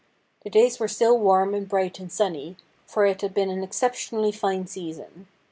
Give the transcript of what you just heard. The days were still warm and bright and sunny, for it had been an exceptionally fine season.